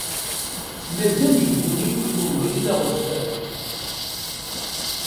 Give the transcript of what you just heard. Mazal yegguni-ken ubrid d aɣezfan.